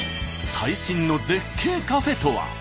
最新の絶景カフェとは？